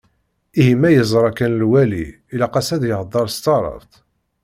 Ihi ma yeẓra kan lwali, ilaq-as ad yehder s taɛrabt?